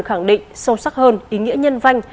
khẳng định sâu sắc hơn ý nghĩa nhân vanh